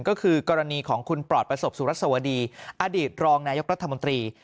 ก็คือกรณีของคุณปลอดประสบสุรัสวดีอดีตรองนายกรัฐมนตรี